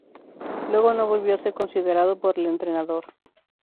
Luego no volvió a ser considerado por el entrenador.